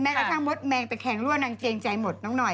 แม้กระทั่งมดแมงแต่แขนรั่วนังเจงใจหมดน้องหน่อย